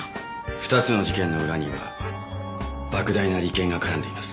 ２つの事件の裏には莫大な利権が絡んでいます。